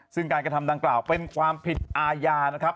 ซึ่งการกระทำดังกล่าวเป็นความผิดอาญานะครับ